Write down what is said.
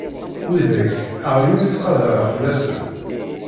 Widak aɣyul i ttqadareɣ fell-asen.